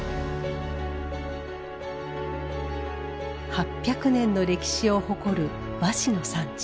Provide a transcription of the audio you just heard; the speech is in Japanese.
８００年の歴史を誇る和紙の産地。